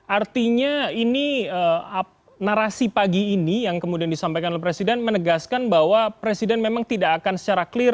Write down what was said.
artinya ini narasi pagi ini yang kemudian disampaikan oleh presiden menegaskan bahwa presiden memang tidak akan secara clear